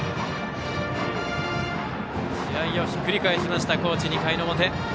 試合をひっくり返しました高知、２回表。